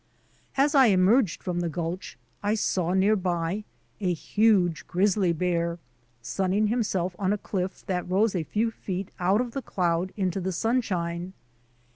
As I emerged from the gulch I saw, near by, a huge grizzly bear sunning himself on a cliff that rose a few feet out of the cloud into the sunshine.